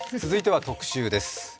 続いては特集です。